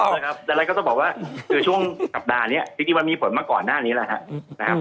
นั่นแล้วก็ต้องบอกว่าคือช่วงสัปดาห์นี้ที่มันได้มีผลมาก่อนหน้านี้แหละฮะ